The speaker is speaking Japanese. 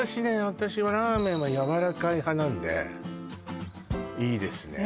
私はラーメンはやわらかい派なんでいいですね